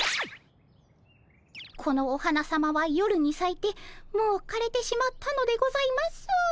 このお花さまは夜にさいてもうかれてしまったのでございます。